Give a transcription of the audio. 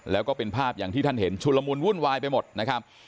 แล้วก็เป็นภาพอย่างที่ท่านเห็นชุลมุนวุ่นวายไปหมดนะครับ